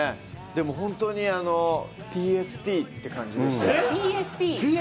でも、本当にＴＳＴって感じですね。